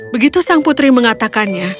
begitu sang putri mengatakannya